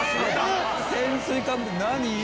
潜水艦？何！？